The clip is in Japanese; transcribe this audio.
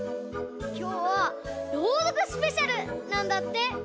きょうは「ろうどくスペシャル」なんだって！